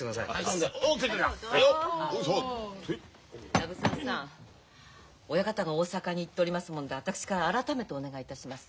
藪沢さん親方が大阪に行っておりますもので私から改めてお願いいたします。